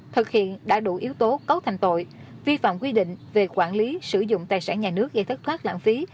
thực hiện đã đủ yếu tố cấu thành tội vi phạm quy định về quản lý sử dụng tài sản nhà nước gây thất thoát lãng phí